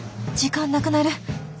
時間なくなる。